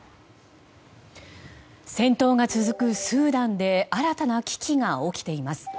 戦闘が続くスーダンで新たな危機が起きています。